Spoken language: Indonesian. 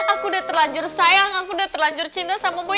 aku udah terhancur sayang aku udah terhancur cinta sama boy